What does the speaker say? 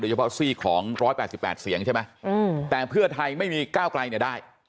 เฉพาะซีกของ๑๘๘เสียงใช่ไหมแต่เพื่อไทยไม่มีก้าวไกลเนี่ยได้